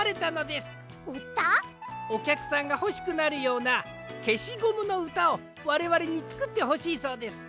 おきゃくさんがほしくなるような「消しゴムの歌」をわれわれにつくってほしいそうです。